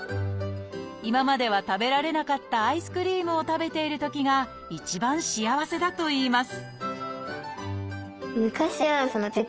今までは食べられなかったアイスクリームを食べているときが一番幸せだといいます